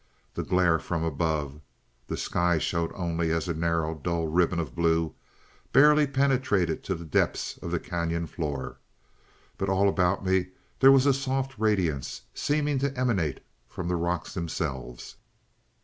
The glare from above (the sky showed only as a narrow dull ribbon of blue) barely penetrated to the depths of the cañon's floor. But all about me there was a soft radiance, seeming to emanate from the rocks themselves.